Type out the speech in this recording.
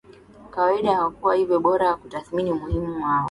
kawaida na kwa hivyo bora kutathmini umuhimu wao